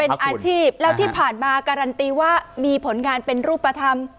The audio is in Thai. เป็นอาชีพแล้วที่ผ่านมาการันตีว่ามีผลงานเป็นรูปธรรม